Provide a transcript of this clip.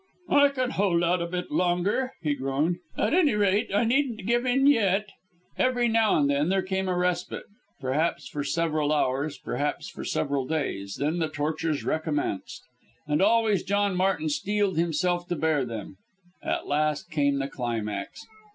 "I can hold out a bit longer," he groaned, "at any rate I needn't give in yet." Every now and then there came a respite perhaps for several hours, perhaps for several days then the tortures recommenced. And always John Martin steeled himself to bear them. At last came the climax.